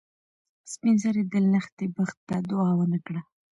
سپین سرې د لښتې بخت ته دعا ونه کړه.